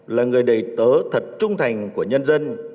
là người đầy tớ thật trung thành của nhân dân